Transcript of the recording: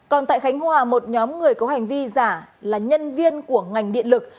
còn tại khánh hòa một nhóm người có hành vi giả là nhân viên của ngành điện lực